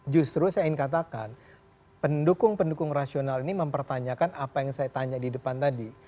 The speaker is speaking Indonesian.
justru saya ingin katakan pendukung pendukung rasional ini mempertanyakan apa yang saya tanya di depan tadi